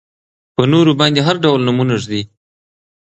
په نورو باندې هر ډول نومونه ږدي.